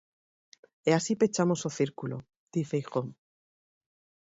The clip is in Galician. E así pechamos o círculo, di Feijoo.